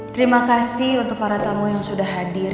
terima kasih untuk para tamu yang sudah hadir